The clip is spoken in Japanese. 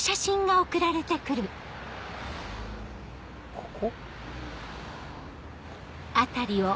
ここ？